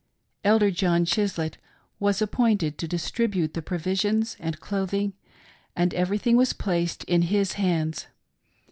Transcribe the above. Elder John Chislett was appointed to distribute the provisions and clothing, and everything was placed in his hands.